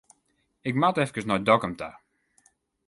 Ik moat efkes nei Dokkum ta.